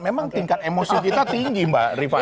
memang tingkat emosi kita tinggi mbak rifana